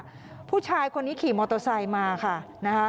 ผู้ชายคนนี้ขี่มอเตอร์ไซค์มาค่ะนะคะ